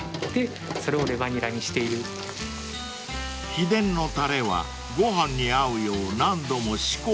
［秘伝のタレはご飯に合うよう何度も試行錯誤］